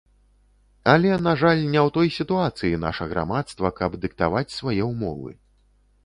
Але, на жаль, не ў той сітуацыі наша грамадства, каб дыктаваць свае ўмовы.